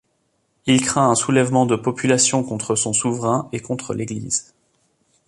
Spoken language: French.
Il craint un soulèvement de population contre son souverain et contre l’Église.